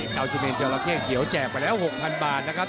เจ้าชิเมนจราเข้เขียวแจกไปแล้ว๖๐๐บาทนะครับ